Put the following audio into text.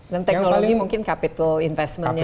dan teknologi mungkin capital investmentnya